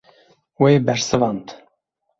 Wê bersivand.